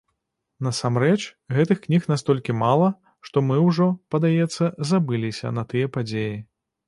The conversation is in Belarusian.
Насамрэч гэтых кніг настолькі мала, што мы ўжо, падаецца, забыліся на тыя падзеі.